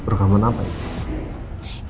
rekaman apa ini